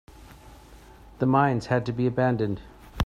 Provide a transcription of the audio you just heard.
The mines had to be abandoned.